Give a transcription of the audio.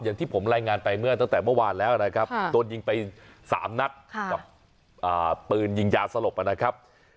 อย่างที่ผมรายงานไปเมื่อตั้งแต่เมื่อวานแล้วนะครับโดนยิงไป๓นัดกับปืนยิงยาสลบนะครับ